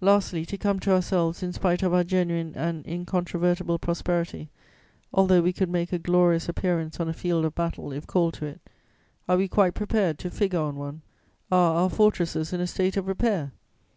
"Lastly, to come to ourselves, in spite of our genuine and incontrovertible prosperity, although we could make a glorious appearance on a field of battle, if called to it: are we quite prepared to figure on one? Are our fortresses in a state of repair?